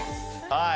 はい。